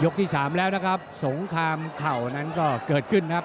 ที่สามแล้วนะครับสงครามเข่านั้นก็เกิดขึ้นนะครับ